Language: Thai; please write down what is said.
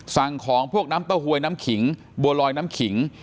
สั่งของพวกน้ำเต้าหวยน้ำขิงบัวลอยน้ำขิง